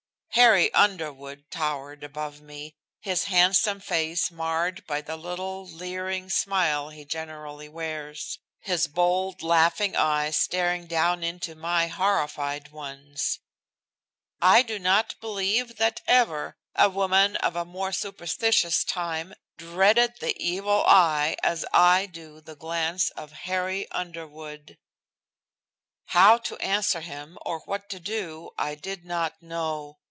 Harry Underwood towered above me, his handsome face marred by the little, leering smile he generally wears, his bold, laughing eyes staring down into my horrified ones. I do not believe that ever a woman of a more superstitious time dreaded the evil eye as I do the glance of Harry Underwood. How to answer him or what to do I did not know.